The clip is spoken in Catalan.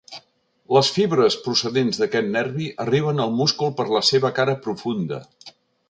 Les fibres procedents d'aquest nervi arriben al múscul per la seva cara profunda.